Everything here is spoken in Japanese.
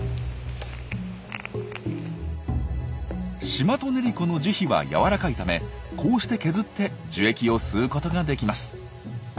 シマトネリコの樹皮は軟らかいためこうして削って樹液を吸うことができます。